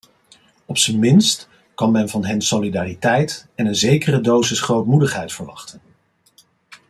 Op zijn minst kan men van hen solidariteit en een zekere dosis grootmoedigheid verwachten.